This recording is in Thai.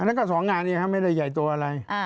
อันนั้นก็สองงานเองครับไม่ได้ใหญ่ตัวอะไร